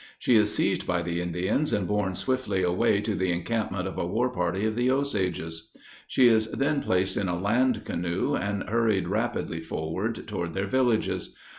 She is seized by the Indians, and borne swiftly away to the encampment of a war party of the Osages. She is then placed in a "land canoe" and hurried rapidly forward toward their villages.